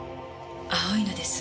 青いのです。